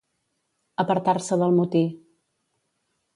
Apartar-se del motí.